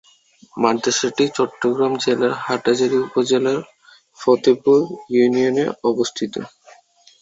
মাদ্রাসাটি চট্টগ্রাম জেলার হাটহাজারী উপজেলার ফতেপুর ইউনিয়নে অবস্থিত।